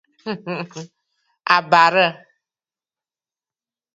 A barə̂!